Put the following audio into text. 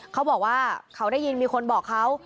เขาบอกว่าเขาได้ยินมีคนบอกเขา